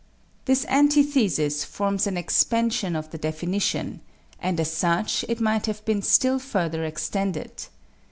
This antithesis forms an expansion of the definition, and as such it might have been still further extended.